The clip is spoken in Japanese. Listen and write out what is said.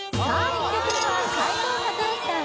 １曲目は斉藤和義さん